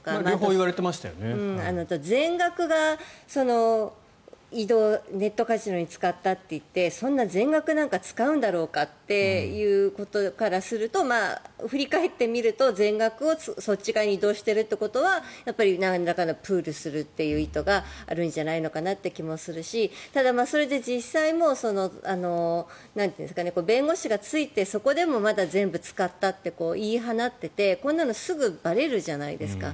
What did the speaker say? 全額をネットカジノに使ったといって全額なんて使うんだろうかということからすると振り返ってみると全額をそっち側に移動しているということはやっぱりなんらかのプールするという意図があるんじゃないのかなという気もするし、ただ、それで実際に弁護士がついてそこでもまだ全部使ったって言い放っていて、こんなのすぐばれるじゃないですか。